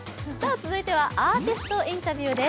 続いてはアーティストインタビューです。